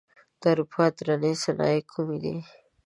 د اروپا درنې صنایع کومې دي؟